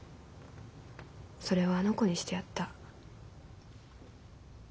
それをあの子にしてやった。